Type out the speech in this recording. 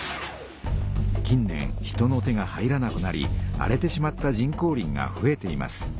近年人の手が入らなくなり荒れてしまった人工林がふえています。